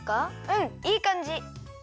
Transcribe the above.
うんいいかんじ。